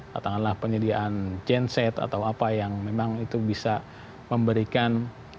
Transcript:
katakanlah penyediaan genset atau apa yang memang itu bisa memberikan